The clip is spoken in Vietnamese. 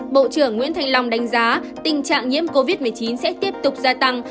bộ trưởng nguyễn thanh long đánh giá tình trạng nhiễm covid một mươi chín sẽ tiếp tục gia tăng